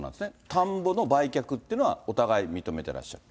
田んぼの売却っていうのは、お互い認めてらっしゃる。